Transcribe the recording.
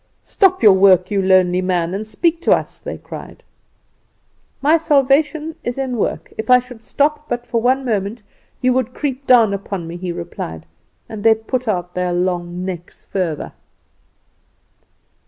"'Stop your work, you lonely man, and speak to us,' they cried. "'My salvation is in work, if I should stop but for one moment you would creep down upon me,' he replied. And they put out their long necks further.